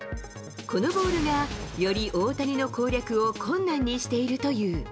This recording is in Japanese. このボールがより大谷の攻略を困難にしているという。